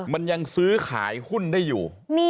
มันยังซื้อขายหุ้นได้อยู่